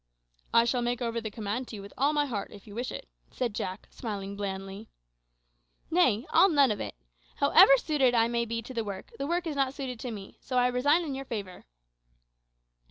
"I shall make over the command to you with all my heart, if you wish it," said Jack, smiling blandly. "Nay, I'll none of it. However suited I may be to the work, the work is not suited to me, so I resign in your favour."